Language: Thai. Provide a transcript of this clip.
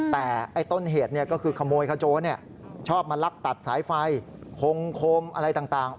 แต่ไอ้ต้นเหตุก็คือขโมยขโจรชอบมาลักตัดสายไฟคงคมอะไรต่าง